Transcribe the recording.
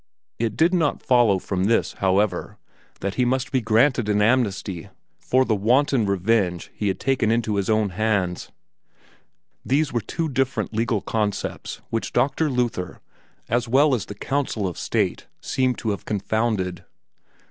It did not follow from this, however, that he must be granted an amnesty for the wanton revenge he had taken into his own hands. These were two different legal concepts which Dr. Luther, as well as the council of state, seemed to have confounded.